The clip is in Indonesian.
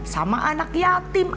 sama anak yatim